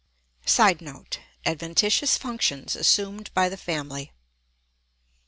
[Sidenote: Adventitious functions assumed by the family.